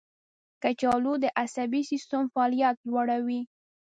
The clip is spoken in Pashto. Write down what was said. کچالو د عصبي سیستم فعالیت لوړوي.